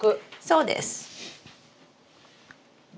そうです。